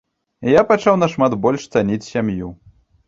Я пачаў нашмат больш цаніць сям'ю.